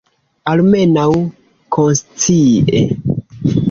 Almenaŭ konscie.